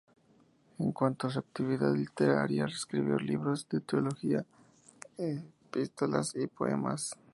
En cuanto a su actividad literaria, escribió libros de teología, epístolas y poemas.